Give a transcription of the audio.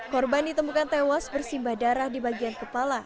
korban ditemukan tewas bersimbah darah di bagian kepala